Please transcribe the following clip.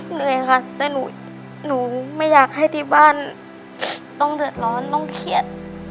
เหนื่อยค่ะแต่หนูไม่อยากให้ที่บ้านต้องเดือดร้อนต้องเครียด